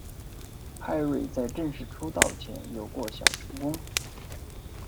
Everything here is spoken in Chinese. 派瑞在正式出道前有过小成功。